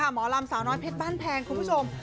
หมอลำสาวน้อยเพชรบ้านแพงคุณผู้ชม